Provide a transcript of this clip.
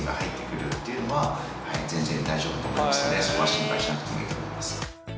心配しなくていいと思います。